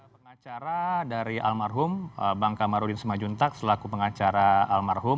pengacara dari almarhum bang kamarudin semajuntak selaku pengacara almarhum